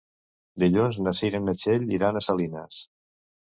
Dilluns na Cira i na Txell iran a Salines.